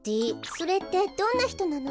それってどんなひとなの？